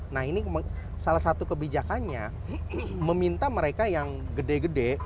nah ini salah satu kebijakannya meminta mereka yang gede gede